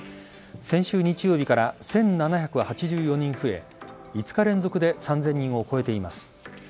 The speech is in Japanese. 先週日曜日から１７８４人増え５日連続で３０００人を超えています。